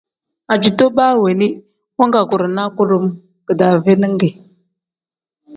Ajito baa weeni wangaguurinaa kudom kidaave ne ge.